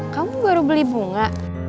kamu baru beli bunga